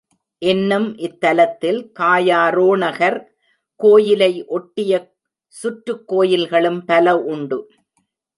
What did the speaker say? இன்னும் இத்தலத்தில் காயாரோணகர் கோயிலை ஒட்டிய சுற்றுக் கோயில்களும் பல உண்டு.